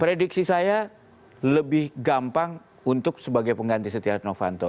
prediksi saya lebih gampang untuk sebagai pengganti setia novanto